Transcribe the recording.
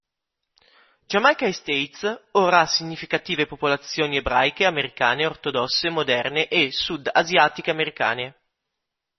Giamaica Estates ora ha significative popolazioni ebraiche americane ortodosse moderne e sud asiatiche americane.